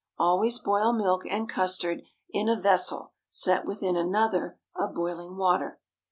_Always boil milk and custard in a vessel set within another of boiling water.